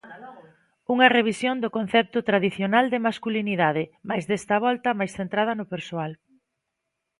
Unha revisión do concepto tradicional de masculinidade, mais desta volta máis centrada no persoal.